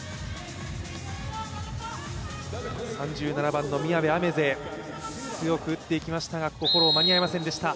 ３７番の宮部愛芽世、強く打っていきましたが、フォローが間に合いませんでした。